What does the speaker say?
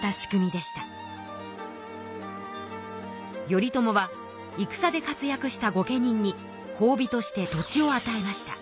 頼朝は戦で活躍した御家人にほうびとして土地をあたえました。